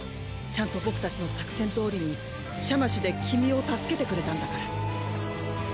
ちゃんと僕たちの作戦どおりにシャマシュで君を助けてくれたんだから。